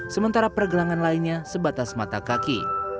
sementara pergelangan lainnya sebatas mata kaki